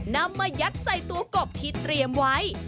นำมายัดใส่ตัวกบที่เตรียมไว้